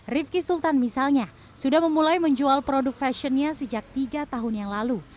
rifki sultan misalnya sudah memulai menjual produk fashionnya sejak tiga tahun yang lalu